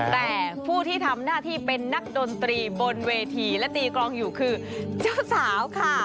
แต่ผู้ที่ทำหน้าที่เป็นนักดนตรีบนเวทีและตีกรองอยู่คือเจ้าสาวค่ะ